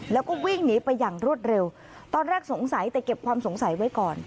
แล้วก็วิ่งหนีไปอย่างรวดเร็วตอนแรกสงสัยแต่เก็บความสงสัยไว้ก่อน